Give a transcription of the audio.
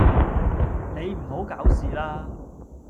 你唔好搞事啦